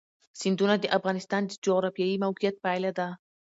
سیندونه د افغانستان د جغرافیایي موقیعت پایله ده.